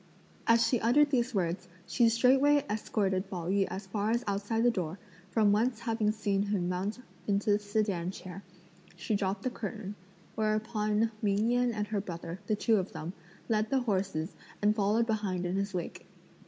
As she uttered these words, she straightway escorted Pao yü as far as outside the door, from whence having seen him mount into the sedan chair, she dropped the curtain; whereupon Ming Yen and her brother, the two of them, led the horses and followed behind in his wake.